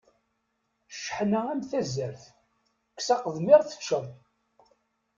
Cceḥna am tazart, kkes aqedmiṛ teččeḍ.